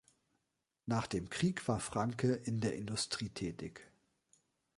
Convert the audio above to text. Nach dem Krieg war Franke in der Industrie tätig.